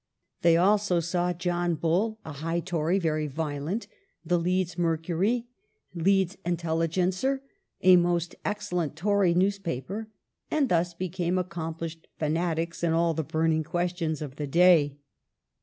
They also saw John Bull, "a high Tory, very violent, the Leeds Mercury, Leeds Lntelligencer, a most excellent Tory news paper," and thus became accomplished fanatics in all the burning questions of the day.